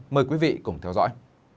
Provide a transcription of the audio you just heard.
mời quý vị cùng theo dõi